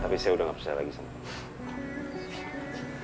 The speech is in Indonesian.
tapi saya udah nggak percaya lagi sama kamu